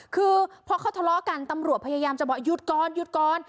คือพอเขาทะเลาะกันตำรวจพยายามจะบอกหยุดก่อนหยุดก่อน